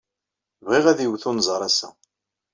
Bɣiɣ ad iwet unẓar ass-a.